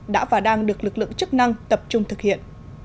đã và đang được lực lượng chức năng tập trung thực hiện